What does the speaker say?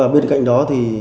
bên cạnh đó